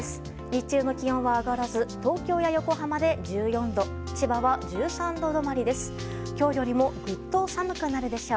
日中の気温は上がらず東京や横浜で１４度千葉は１３度止まりです。